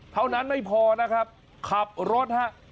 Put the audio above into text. เท่านั้นไม่พอนะครับขับรถฮะ